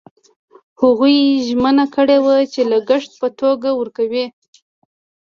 هغوی ژمنه کړې وه چې لګښت په توګه ورکوي.